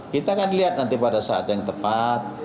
kita akan lihat nanti pada saat yang tepat